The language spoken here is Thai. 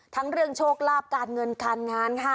ทั้งเรื่องโชคลาภการเงินการงานค่ะ